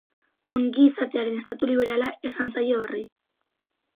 Ongizatearen Estatu Liberala esan zaio horri.